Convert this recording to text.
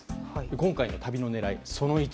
今回の旅の狙い、その１。